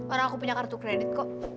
orang aku punya kartu kredit kok